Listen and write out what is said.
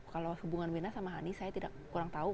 kalau hubungan mirna sama hani saya kurang tahu